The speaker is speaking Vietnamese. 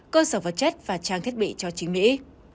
cơ sở vật chất và trang thiết bị cho chính mỹ